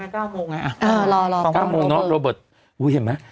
ต้องไปที่ที่แม่ก้าวโมงไงอ่ะแก้วโมงเนอะโรเบิร์ตอุ๊ยเห็นไหม